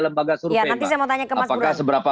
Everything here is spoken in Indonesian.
lembaga suruh mbak apakah seberapa